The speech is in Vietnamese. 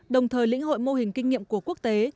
đồng thời lĩnh hội mô hình kinh nghiệm của quốc tế